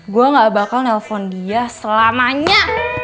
gua gak bakal nelpon dia selamanya